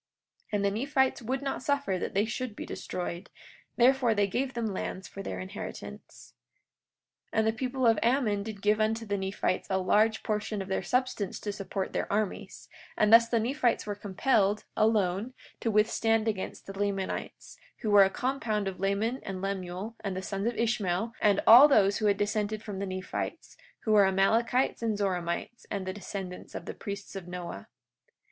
43:12 And the Nephites would not suffer that they should be destroyed; therefore they gave them lands for their inheritance. 43:13 And the people of Ammon did give unto the Nephites a large portion of their substance to support their armies; and thus the Nephites were compelled, alone, to withstand against the Lamanites, who were a compound of Laman and Lemuel, and the sons of Ishmael, and all those who had dissented from the Nephites, who were Amalekites and Zoramites, and the descendants of the priests of Noah.